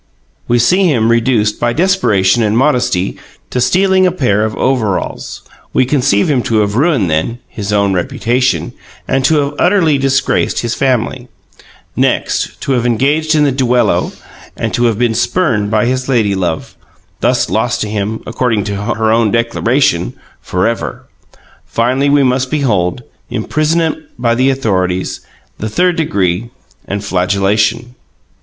We see him reduced by desperation and modesty to stealing a pair of overalls. We conceive him to have ruined, then, his own reputation, and to have utterly disgraced his family; next, to have engaged in the duello and to have been spurned by his lady love, thus lost to him (according to her own declaration) forever. Finally, we must behold: imprisonment by the authorities; the third degree and flagellation.